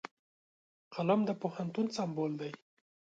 قلم د پوهنتون سمبول دی